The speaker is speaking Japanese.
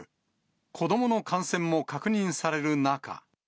子どもの感染も確認される中。